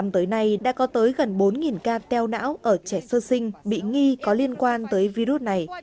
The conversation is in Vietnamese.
hai nghìn một mươi năm tới nay đã có tới gần bốn ca teo não ở trẻ sơ sinh bị nghi có liên quan tới virus này